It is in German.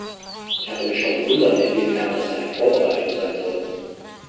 Ich hatte mich schon gewundert, inwiefern das eine Vorbereitung sein soll.